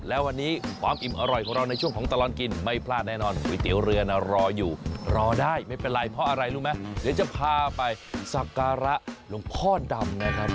และวันนี้ความอิ่มอร่อยของเราในช่วงของตลอดกินไม่พลาดแน่นอนก๋วยเตี๋ยวเรือน่ะรออยู่รอได้ไม่เป็นไรเพราะอะไรรู้ไหมเดี๋ยวจะพาไปสักการะหลวงพ่อดำนะครับ